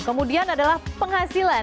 kemudian adalah penghasilan